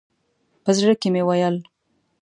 په زړه کې مې ویل.